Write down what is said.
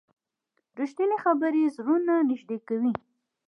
رښتیني خبرې زړونه نږدې کوي.